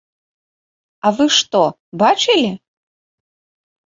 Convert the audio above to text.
А вы што, бачылі?